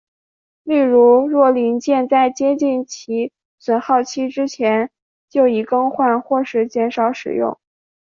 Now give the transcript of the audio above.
例如若零件在接近其损耗期之前就已更换或是减少使用。